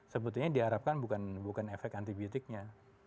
sebetulnya diharapkan bukan efek anti biotiknya